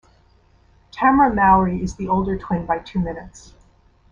Tamera Mowry is the older twin by two minutes.